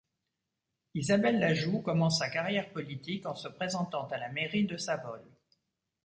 Isabelle Lajoux commence sa carrière politique en se présentant à la mairie de Savolles.